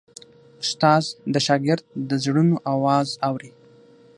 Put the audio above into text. استاد د شاګرد د زړونو آواز اوري.